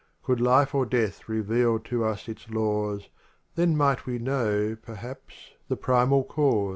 Could life or death reveal to us its laws Then might we know, perhaps, the primal cause.